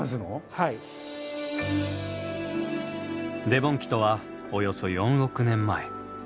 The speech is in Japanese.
デボン紀とはおよそ４億年前。